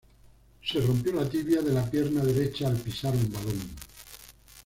Se rompió la tibia de la pierna derecha al pisar un balón.